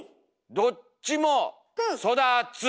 どっちも育つ。